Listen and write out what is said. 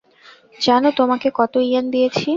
জানো তোমাকে কত ইয়েন দিয়েছি?